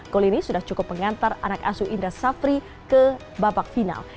gol ini sudah cukup mengantar anak asu indra safri ke babak final